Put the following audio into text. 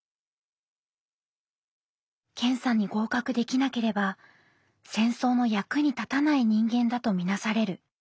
検査に合格できなければ戦争の役に立たない人間だと見なされる。